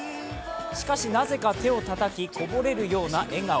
しかし、なぜか手をたたきこぼれるような笑顔。